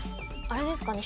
あれですかね？